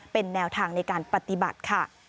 เป็นแนวทางในการปฏิบัติค่ะ